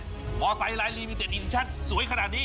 หมอไซน์ลายลิมิเต็ดอีนชัดสวยขนาดนี้